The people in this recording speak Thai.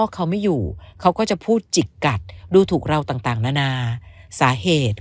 เขาไม่อยู่เขาก็จะพูดจิกกัดดูถูกเราต่างนานาสาเหตุ